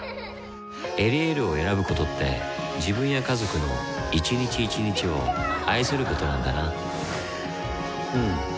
「エリエール」を選ぶことって自分や家族の一日一日を愛することなんだなうん。